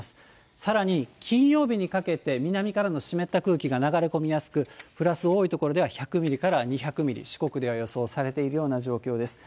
さらに金曜日にかけて南からの湿った空気が流れ込みやすく、プラス多い所では１００ミリから２００ミリ、四国では予想されているような状況です。